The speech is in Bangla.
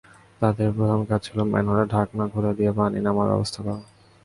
তাঁদের প্রধান কাজ ছিল ম্যানহোলের ঢাকনা খুলে দিয়ে পানি নামার ব্যবস্থা করা।